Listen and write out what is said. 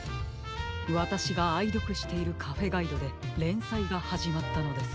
わたしがあいどくしているカフェガイドでれんさいがはじまったのです。